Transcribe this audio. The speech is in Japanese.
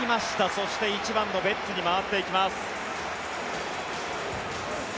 そして、１番のベッツに回っていきます。